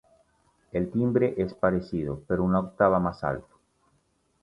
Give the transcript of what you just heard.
El timbre es parecido, pero una octava más alto.